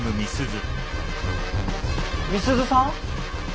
・美鈴さん？